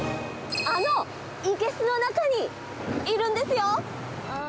あの生けすの中にいるんですよ。